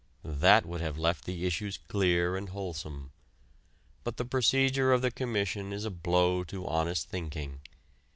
That would have left the issues clear and wholesome. But the procedure of the Commission is a blow to honest thinking.